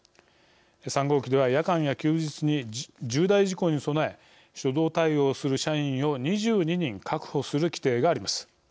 ３号機では、夜間や休日に重大事故に備え初動対応する社員を２２人確保する規定があります。